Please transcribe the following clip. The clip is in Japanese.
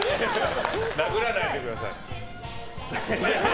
殴らないでください。